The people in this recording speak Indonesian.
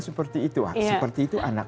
seperti itu seperti itu anak